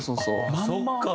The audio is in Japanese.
そっか！